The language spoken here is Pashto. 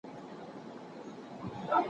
لوستې میندې د ماشومانو د جامو پاکوالی څاري.